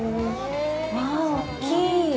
わあ、大きい。